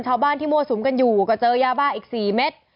ชาวบ้านที่มั่วสุมกันอยู่ก็เจอยาบ้าอีก๔เม็ด